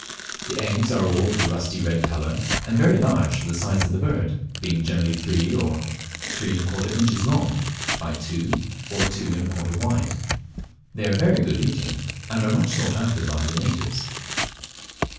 The eggs are all of a rusty red colour, and very large for the size of the bird, being generally three or three and a quarter inches long, by two or two and a quarter wide. They are very good eating, and are much sought after by the natives.